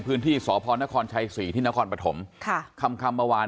พื้นที่สพนครชัยศรีที่นครปฐมค่ะคำค่ำเมื่อวาน